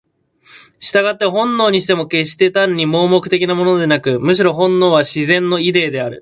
従って本能にしても決して単に盲目的なものでなく、むしろ本能は「自然のイデー」である。